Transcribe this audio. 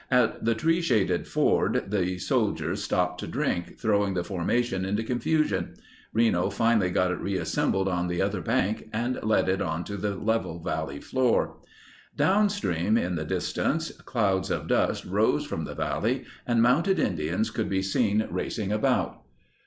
At the tree shaded ford the horses stopped to drink, throwing the formation into confusion. Reno finally got it reassembled on the other bank and led it onto the level valley floor. Downstream in the distance, clouds of dust rose from the valley, and mounted Indians could be seen racing about.